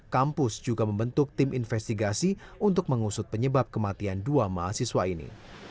kampus juga membentuk tim investigasi untuk mengusut penyebab kematian dua mahasiswa ini